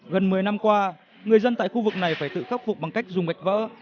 gần một mươi năm qua người dân tại khu vực này phải tự khắc phục bằng cách dùng gạch vỡ